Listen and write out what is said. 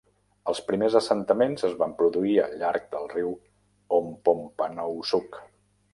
Els primers assentaments es van produir al llarg del riu Ompompanoosuc.